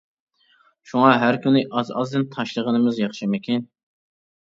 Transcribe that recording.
شۇڭا ھەر كۈنى ئاز-ئازدىن تاشلىغىنىمىز ياخشىمىكىن.